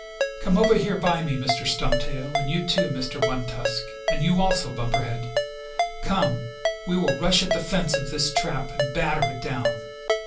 "Come over here by me, Mr. Stumptail, and you too, Mr. One Tusk, and you also, Bumper Head. Come, we will rush at the fence of this trap and batter it down.